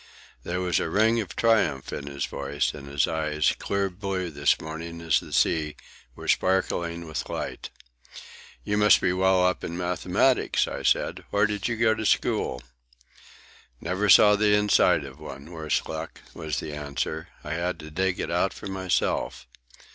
There was a ring of triumph in his voice, and his eyes, clear blue this morning as the sea, were sparkling with light. "You must be well up in mathematics," I said. "Where did you go to school?" "Never saw the inside of one, worse luck," was the answer. "I had to dig it out for myself."